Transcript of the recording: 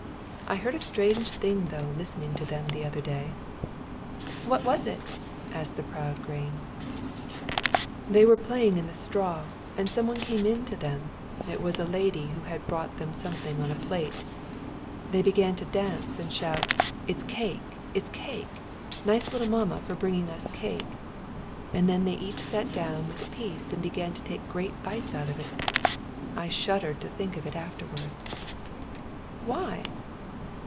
I heard a strange thing through listening to them the other day." "What was it?" asked the proud grain. "They were playing in the straw, and someone came in to them it was a lady who had brought them something on a plate. They began to dance and shout: 'It's cake! It's cake! Nice little mamma for bringing us cake.' And then they each sat down with a piece and began to take great bites out of it. I shuddered to think of it afterward." "Why?"